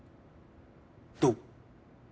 どう？